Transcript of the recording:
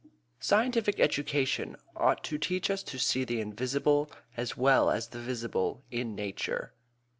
"Scientific education ought to teach us to see the invisible as well as the visible in nature."